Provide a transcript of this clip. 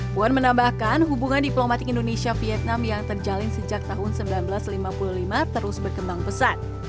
puan menambahkan hubungan diplomatik indonesia vietnam yang terjalin sejak tahun seribu sembilan ratus lima puluh lima terus berkembang pesat